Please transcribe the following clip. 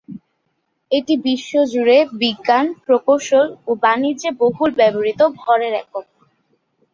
এটি বিশ্বজুড়ে বিজ্ঞান, প্রকৌশল ও বাণিজ্যে বহুল ব্যবহৃত ভরের একক।